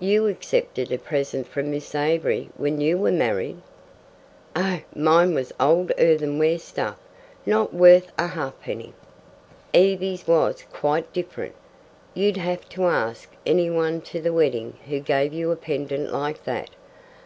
"You accepted a present from Miss Avery when you were married. "Oh, mine was old earthenware stuff not worth a halfpenny. Evie's was quite different. You'd have to ask anyone to the wedding who gave you a pendant like that.